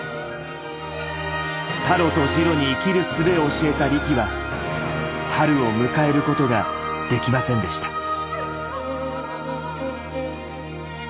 タロとジロに生きるすべを教えたリキは春を迎えることができませんでした。